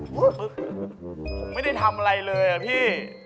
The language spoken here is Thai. ผมไม่ได้ทำอะไรเลยอะพี่